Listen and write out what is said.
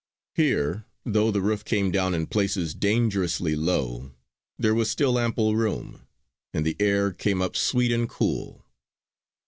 Here, though the roof came down in places dangerously low, there was still ample room, and the air came up sweet and cool.